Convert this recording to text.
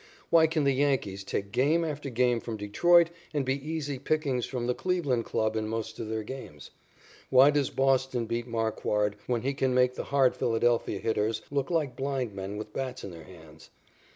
Why can the Yankees take game after game from Detroit and be easy picking for the Cleveland club in most of their games? Why does Boston beat Marquard when he can make the hard Philadelphia hitters look like blind men with bats in their hands?